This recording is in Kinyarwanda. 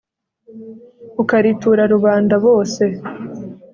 ukaritura rubanda.bose